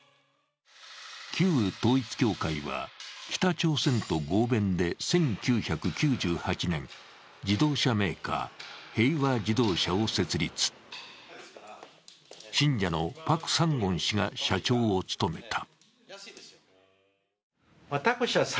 旧統一教会は北朝鮮と合弁で１９９８年、自動車メーカー、平和自動車を設立信者のパク・サンゴン氏が社長を務めた。